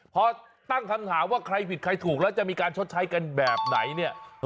พอตั้งคำถามว่าใครผิดใครถูกแล้วจะมีการชดใช้กันแบบไหนเนี่ย